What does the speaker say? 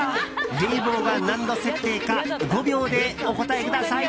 冷房が何度設定か５秒でお答えください。